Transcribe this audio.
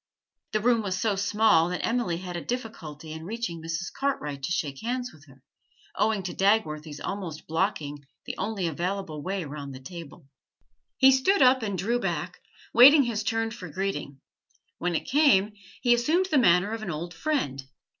The room was so small that Emily had a difficulty in reaching Mrs. Cartwright to shake hands with her, owing to Dagworthy's almost blocking the only available way round the table. He stood up and drew back, waiting his turn for greeting; when it came, he assumed the manner of an old friend.